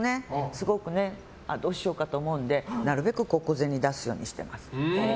すごくどうしようかと思うのでなるべく小銭出すようにしてます。